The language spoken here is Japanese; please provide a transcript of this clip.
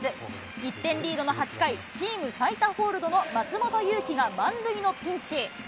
１点リードの８回、チーム最多ホールドの松本裕樹が満塁のピンチ。